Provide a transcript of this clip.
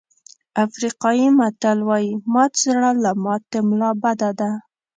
افریقایي متل وایي مات زړه له ماتې ملا بده ده.